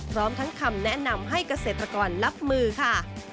พร้อมทั้งคำแนะนำให้เกษตรกรรับมือค่ะ